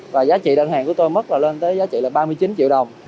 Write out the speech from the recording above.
và giá trị đơn hàng của tôi mất là lên tới giá trị là ba mươi chín triệu đồng